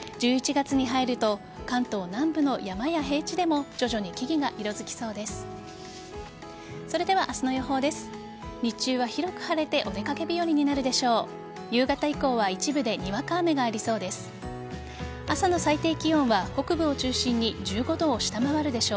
１１月に入ると関東南部の山や平地でも徐々に木々が色付きそうです。